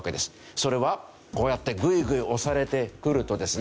それはこうやってグイグイ押されてくるとですね